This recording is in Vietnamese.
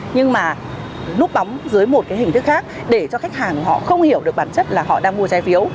nhưng mà núp bóng dưới một cái hình thức khác để cho khách hàng họ không hiểu được bản chất là họ đang mua trái phiếu